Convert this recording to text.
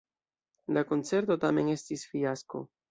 La koncerto tamen estis fiasko.